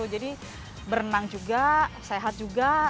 jadi berenang juga sehat juga